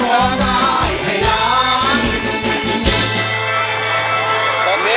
ขอบคุณครับครับ